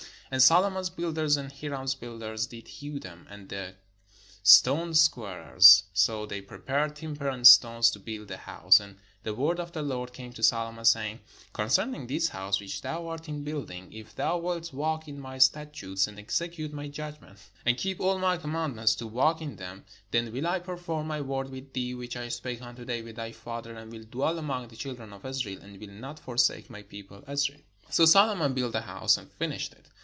And Solomon's builders and Hiram's builders did hew them, and the stoncsquarers : so they prepared timber and stones to build the house. And the word of the Lord came to Solomon, saying, "Concerning this house which thou art in building, if thou wilt walk in my statutes, and execute my judg ments, and keep all my commandments to walk in them; then will I perform my word with thee, which I spake unto David thy father: and will dwell among the children of Israel, and will not forsake my people Israel." So Solomon built the house, and finished it.